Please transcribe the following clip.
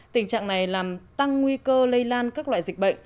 tình trạng này làm tăng nguy cơ lây lan các loại dịch bệnh